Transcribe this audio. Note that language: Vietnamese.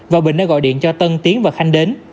và bình đã gọi điện cho tân tiến và khanh đến